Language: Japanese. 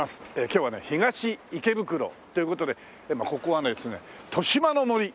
今日はね東池袋という事でここはですね豊島の森。